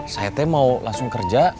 saya mau langsung kerja